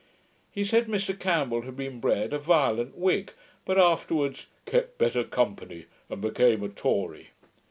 He said, Mr Campbell had been bred a violent Whig, but afterwards 'kept BETTER COMPANY, and became a Tory'.